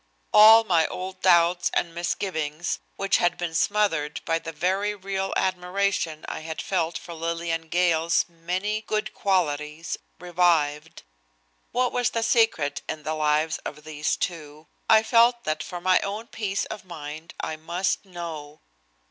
All my old doubts and misgivings which had been smothered by the very real admiration I had felt for Lillian Gale's many good qualities revived. What was the secret in the lives of these two? I felt that for my own peace of mind I must know.